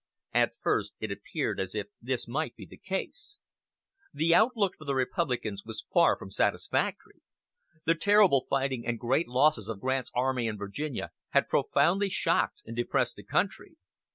At first it appeared as if this might be the case. The outlook for the Republicans was far from satisfactory. The terrible fighting and great losses of Grant's army in Virginia had profoundly shocked and depressed the country.